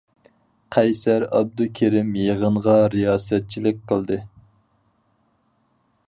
قەيسەر ئابدۇكېرىم يىغىنغا رىياسەتچىلىك قىلدى.